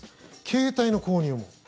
携帯の購入も。